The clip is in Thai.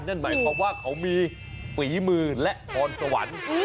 นั่นหมายความว่าเขามีฝีมือและพรสวรรค์